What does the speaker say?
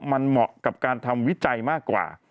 มันเหมาะกับการทำวิจัยมากกว่า